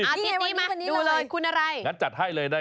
อาทิตย์นี้มาดูเลยคุณอะไร